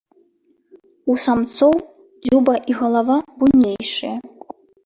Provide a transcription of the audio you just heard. У самцоў дзюба і галава буйнейшыя.